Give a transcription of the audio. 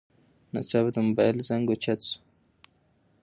ناڅاپه د موبایل زنګ اوچت شو.